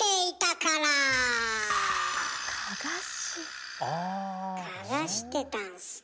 かがしてたんすね。